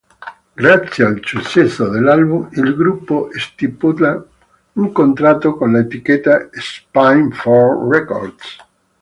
Grazie al successo dell'album, il gruppo stipula un contratto con l'etichetta Spinefarm Records.